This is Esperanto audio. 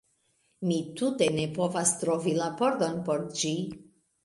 Mi tute ne povas trovi la pordon por ĝi